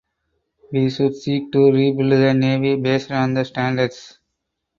We should seek to rebuild the Navy based on the standards.